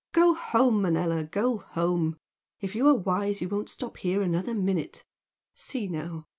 Go home, Manella, go home! If you are wise you won't stop here another minute! See now!